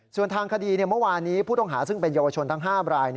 ส่วนทางคดีเมื่อวานนี้ผู้ต้องหาซึ่งเป็นเยาวชนทั้ง๕ราย